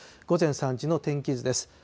午前３時の天気図です。